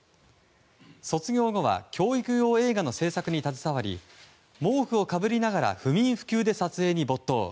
卒業後は教育用映画の制作に携わり毛布をかぶりながら不眠不休で撮影に没頭。